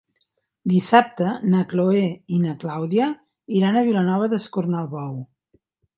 Dissabte na Chloé i na Clàudia iran a Vilanova d'Escornalbou.